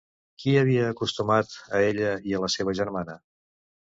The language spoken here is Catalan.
Qui havia acusat a ella i a la seva germana?